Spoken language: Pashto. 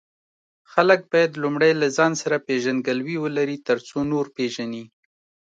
خلک باید لومړی له ځان سره پیژندګلوي ولري، ترڅو نور پیژني.